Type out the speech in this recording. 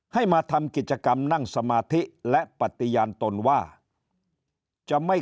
ให้มาทำกิจกรรมนั่งสมาธิและปฏิญาณตนว่าจะไม่